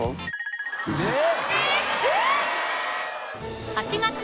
えっ！